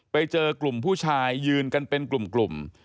ไปเจอกลุ่มผู้ชายยืนกันเป็นกลุ่ม